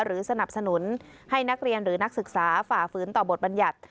สนับสนุนให้นักเรียนหรือนักศึกษาฝ่าฝืนต่อบทบรรยัติ